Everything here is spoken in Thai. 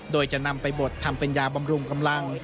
โดยจะนำไปบดทำเป็นยาบำรุงกำลัง